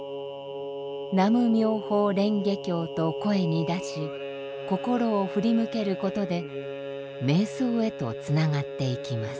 「南無妙法蓮華経」と声に出し心を振り向けることで瞑想へとつながっていきます。